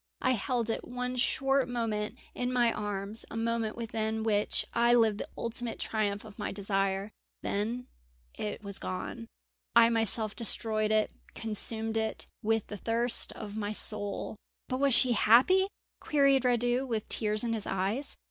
I held it one short moment in my arms, a moment within which I lived the ultimate triumph of my desire. Then it was gone. I myself destroyed it, consumed it, with the thirst of my soul!" "But was she happy?" queried Radu, with tears in his eyes.